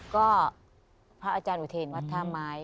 ก็พระอาจารย์อุเทรนวัดท่าไม้